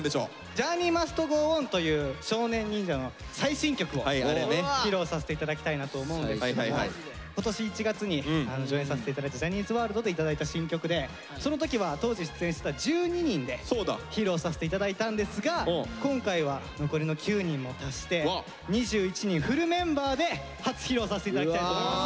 「ＪｏｕｒｎｅｙＭｕｓｔＧｏＯｎ」という少年忍者の最新曲を披露させて頂きたいなと思うんですけども今年１月に上演させて頂いた「ＪＯＨＮＮＹＳ’Ｗｏｒｌｄ」で頂いた新曲でその時は当時出演してた１２人で披露させて頂いたんですが今回は残りの９人も足して２１人フルメンバーで初披露させて頂きたいと思います。